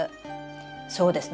そうですね